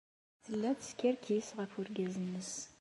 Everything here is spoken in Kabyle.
Tella teskerkis ɣef wergaz-nnes.